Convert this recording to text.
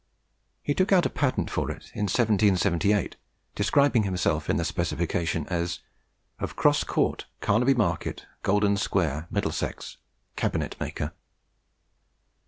He took out a patent for it in 1778, describing himself in the specification as "of Cross Court, Carnaby Market [Golden Square], Middlesex, Cabinet Maker."